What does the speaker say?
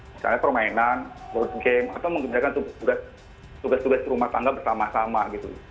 misalnya permainan board game atau menggunakan tugas tugas rumah tangga bersama sama gitu